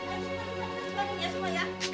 ayo cepet cepet ya semua ya